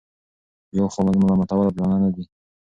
یوه خوا ملامتول عادلانه نه دي.